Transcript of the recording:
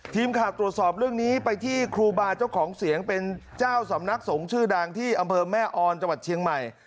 ทีมข่าวตรวจสอบเรื่องนี้ไปที่ครูบาเจ้าของเสียงเป็นเจ้าสำนักสงฆ์ชื่อดังที่อำเภอแม่ออนจังหวัดเชียงใหม่